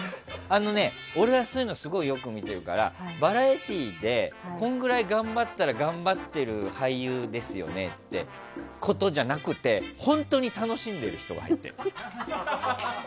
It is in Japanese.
俺はそういうの、すごいよく見てるからバラエティーでこのぐらい頑張ったら頑張ってる俳優ですよねっていうことじゃなくて本当に楽しんでる人がいい。